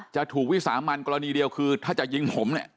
จะถูกวิสามันกรณีเดียวคือถ้าจะยิงผมเนี่ย